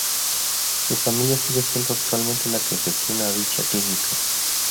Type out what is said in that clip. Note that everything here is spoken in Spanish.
Su familia sigue siendo actualmente la que gestiona dicha clínica.